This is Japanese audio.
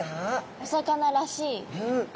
お魚らしい形。